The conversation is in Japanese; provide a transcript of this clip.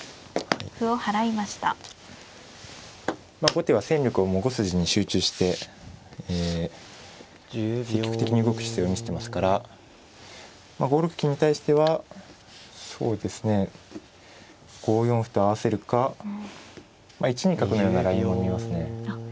後手は戦力をもう５筋に集中して積極的に動く姿勢を見せてますから５六金に対してはそうですね５四歩と合わせるか１二角のようなラインも見えますね。